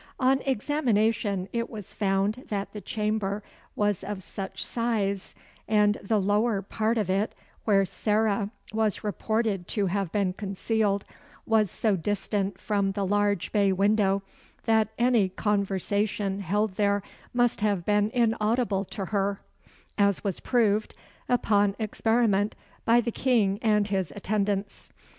On examination it was found that the chamber was of such size, and the lower part of it, where Sarah was reported to have been concealed, was so distant from the large bay window, that any conversation held there must have been inaudible to her; as was proved, upon experiment, by the King and his attendants.